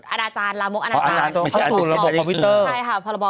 อาตาจานละมลอะนาจานไม่ใช่พอคอมพิวเตอร์ใช่ค่ะพอละบ